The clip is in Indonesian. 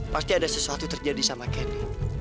pasti ada sesuatu terjadi sama kenny